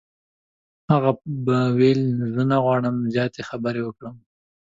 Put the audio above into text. هغه به ویل چې زه نه غواړم زیاتې خبرې وکړم.